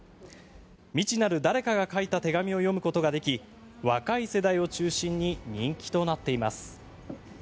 未知なる誰かが書いた手紙を読むことができ若い世代を中心に人気となっています。